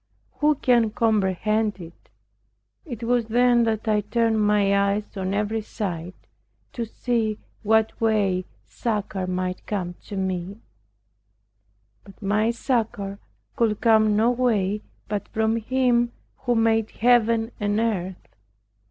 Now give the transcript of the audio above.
Who can comprehend it? It was then that I turned my eyes on every side, to see what way succor might come to me; but my succor could come no way but from Him who made Heaven and earth.